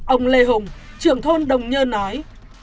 ông lê hùng trưởng thôn đồng nhơn nói